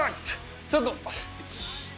ちょっと。